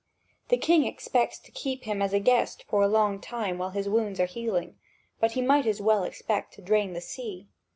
The king expects to keep him as his guest for a long time while his wounds are healing; but he might as well expect to drain the sea.